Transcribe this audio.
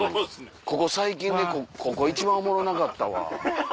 ここ最近でここ一番おもろなかったわ。